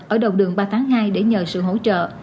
ở đầu đường ba tháng hai để nhờ sự hỗ trợ